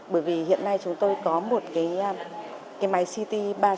bởi vì hiện nay chúng tôi có một cái máy city ba trăm linh